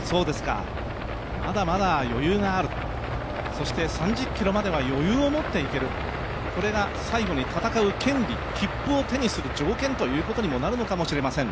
まだまだ余裕があると、そして３０ｋｍまでは余裕を持っていける、これが最後に戦う権利、切符を手にする条件ということになるのかもしれません。